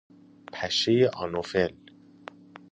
پشه آنوفل